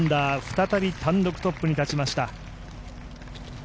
再び単独トップに立ちました。